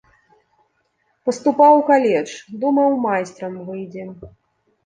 Паступаў у каледж, думаў майстрам выйдзе.